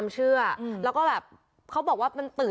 วิทยาลัยศาสตร์อัศวินตรี